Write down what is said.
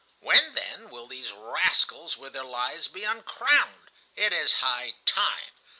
When, then, will these rascals with their lies be uncrowned! It is high time.